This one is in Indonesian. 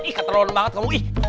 ih keterlaluan banget kamu ih